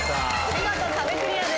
見事壁クリアです。